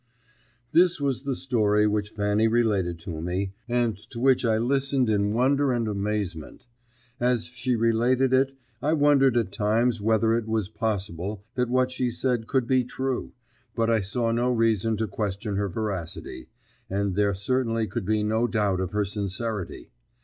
This was the story which Fanny related to me, and to which I listened in wonder and amazement. As she related it I wondered at times whether it was possible that what she said could be true, but I saw no reason to question her veracity; and there certainly could be no doubt of her sincerity.